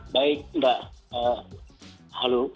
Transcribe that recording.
baik enggak halo